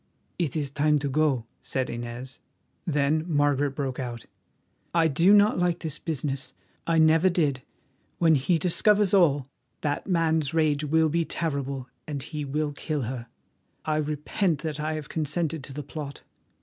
"It is time to go," said Inez. Then Margaret broke out: "I do not like this business; I never did. When he discovers all, that man's rage will be terrible, and he will kill her. I repent that I have consented to the plot."